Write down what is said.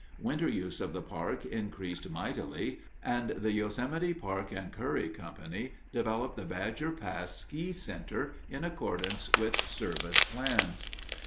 Winter use of the park increased mightily, and the Yosemite Park and Curry Company developed the Badger Pass ski center in accordance with Service plans.